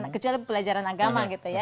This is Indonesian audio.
kecuali pelajaran agama gitu ya